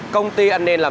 công ty an ninh làm ra